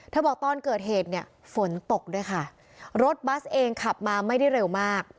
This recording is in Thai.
บอกตอนเกิดเหตุเนี่ยฝนตกด้วยค่ะรถบัสเองขับมาไม่ได้เร็วมาก